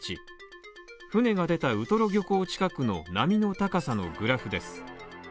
船が出たウトロ漁港近くの波の高さのグラフです。